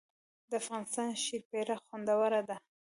د افغانستان شیرپیره خوندوره ده